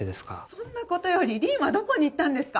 そんな事より凛はどこに行ったんですか？